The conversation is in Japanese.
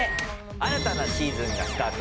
新たなシーズンがスタート。